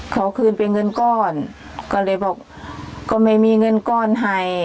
ขอคืนเป็นเงินก้อนก็เลยบอกก็ไม่มีเงินก้อนให้